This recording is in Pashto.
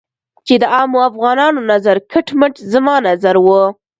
چې د عامو افغانانو نظر کټ مټ زما نظر و.